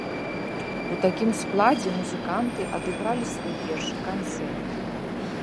У такім складзе музыканты адыгралі свой першы канцэрт.